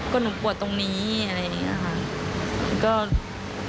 ก็หนูปวดตรงนี้อะไรอย่างนี้ค่ะ